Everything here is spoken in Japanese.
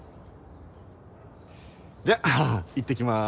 じゃあいってきます。